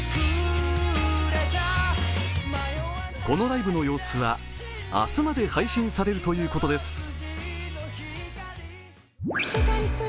このライブの様子は、明日まで配信されるということです。